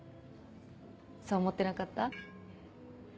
そう思ってなかった？